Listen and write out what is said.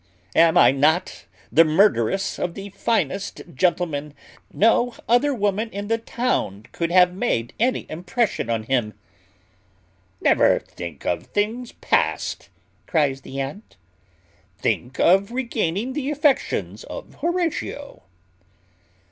Am I not the murderess of the finest gentleman? No other woman in the town could have made any impression on him." "Never think of things past," cries the aunt: "think of regaining the affections of Horatio."